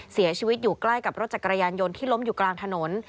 เสียชีวิตอยู่ใกล้กับรถจักรยานยนต์ที่ล้มอยู่กลางถนน